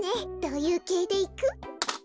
どういうけいでいく？